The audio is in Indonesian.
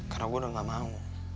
karena gue udah nggak mau